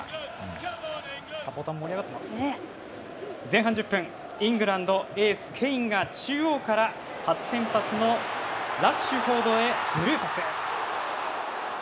前半１０分、イングランドエース、ケインが中央から初先発のラッシュフォードへスルーパス。